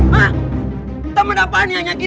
hah teman apaan yang nyakit